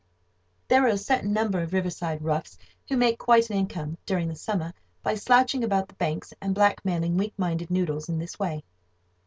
There are a certain number of riverside roughs who make quite an income, during the summer, by slouching about the banks and blackmailing weak minded noodles in this way.